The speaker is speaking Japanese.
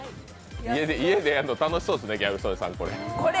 家でやるの楽しそうですね、ギャル曽根さん、これ。